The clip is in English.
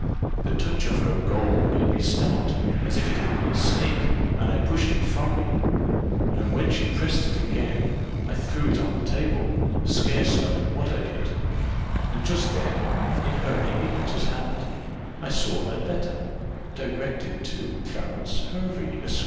The touch of her gold made me start, as if it had been a snake, and I pushed it from me; and when she pressed it again, I threw it on the table, scarce knowing what I did; and just then, in her iniquitous hand, I saw a letter, directed to Clarence Hervey, Esq.